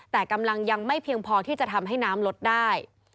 แต่กำลังยังไม่เพียงพอที่จะทำให้น้ำลดได้